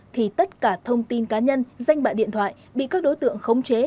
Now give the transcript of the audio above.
thì tất cả thông tin cá nhân danh bạ điện thoại bị các đối tượng khống chế